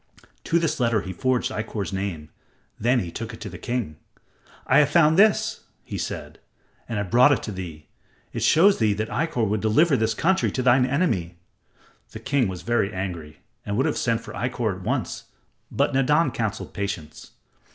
To this letter he forged Ikkor's name; then he took it to the king. "I have found this," he said, "and have brought it to thee. It shows thee that Ikkor would deliver this country to thine enemy." The king was very angry and would have sent for Ikkor at once, but Nadan counseled patience.